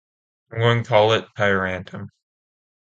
I'm going to call it Tyuratam.